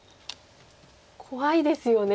怖いですよね。